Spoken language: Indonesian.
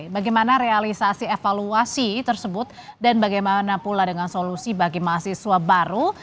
bagaimana realisasi evaluasi tersebut dan bagaimana pula dengan solusi bagi mahasiswa baru